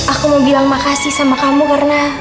aku mau bilang makasih sama kamu karena